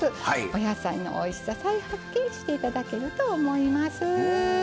お野菜のおいしさ再発見して頂けると思います。